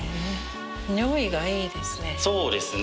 匂いがいいですね。